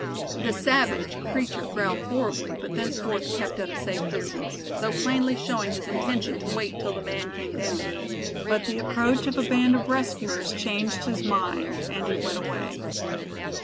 The savage, creature growled horribly but thenceforth kept at a safe distance, though plainly showing his intention to wait till the man came down. But the approach of a band of rescuers changed his mind, and he went away.